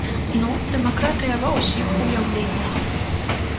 Ну, дэмакратыя ва ўсіх уяўленнях!